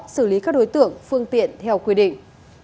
xử lý các đối tượng phương tiện theo quy định